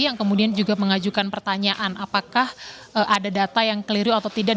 yang kemudian juga mengajukan pertanyaan apakah ada data yang keliru atau tidak